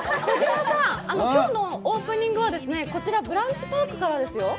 今日のオープニングはこちらブランチパークからですよ。